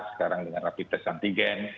sekarang dengan rapid test antigen